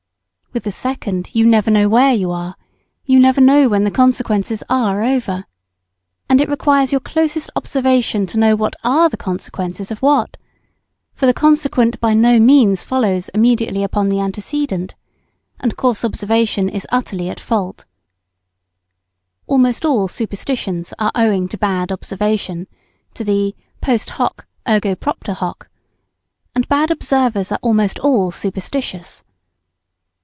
With the second you never know where you are you never know when the consequences are over. And it requires your closest observation to know what are the consequences of what for the consequent by no means follows immediately upon the antecedent and coarse observation is utterly at fault. [Sidenote: Superstition the fruit of bad observation.] Almost all superstitions are owing to bad observation, to the post hoc, ergo propter hoc; and bad observers are almost all superstitious.